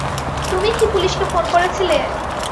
তুমিই কি পুলিশকে ফোন করেছিলে?